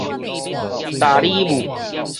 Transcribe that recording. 搭里霧